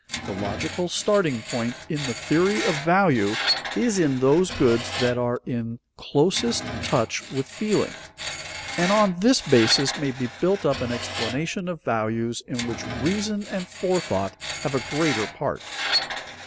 The logical starting point in the theory of value is in those goods that are in closest touch with feeling, and on this basis may be built up an explanation of values in which reason and forethought have a greater part.